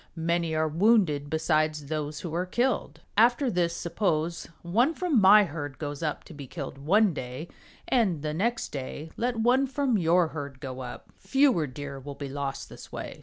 Many are wounded besides those who are killed. After this suppose one from my herd goes up to be killed one day, and the next day let one from your herd go up. Fewer Deer will be lost this way."